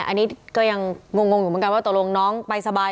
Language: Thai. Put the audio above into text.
อันนี้ก็ยังงงอยู่เหมือนกันว่าตกลงน้องไปสบาย